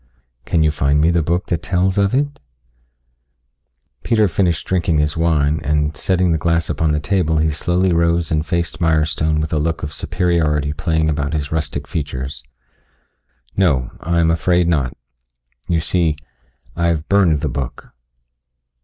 Can you find me the book that tells of it?" Peter finished drinking his wine and setting the glass upon the table, he slowly rose and faced Mirestone with a look of superiority playing about his rustic features. "No, I am afraid not. You see, I have burned the book."